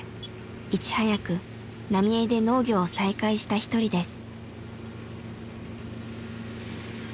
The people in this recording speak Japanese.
いち早く浪江で農業を再開した一人です。